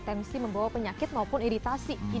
potensi membawa penyakit maupun iritasi